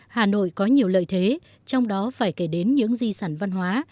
hà nội có nhiều lợi thế trong đó phải kể đến những di sản văn hóa